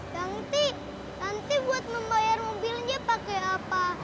nanti nanti buat membayar mobilnya pakai apa